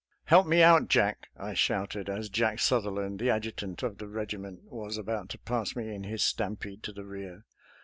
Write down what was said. " Help me out, Jack !" I shouted, as Jack Sutherland, the adjutant of the regiment, was about to pass me in his stampede to the rear.